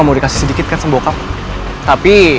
sampai jumpa di video selanjutnya